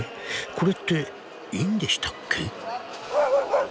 これっていいんでしたっけ？